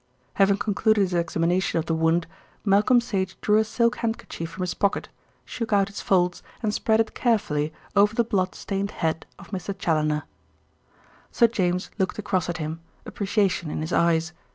Having concluded his examination of the wound, Malcolm Sage drew a silk handkerchief from his pocket, shook out its folds and spread it carefully over the blood stained head of Mr. Challoner. Sir James looked across at him, appreciation in his eyes.